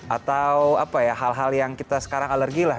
atau apa ya hal hal yang kita sekarang alergi lah